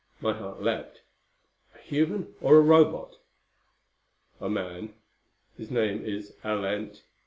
My heart leaped. "A human or a Robot?" "A man. His name is Alent.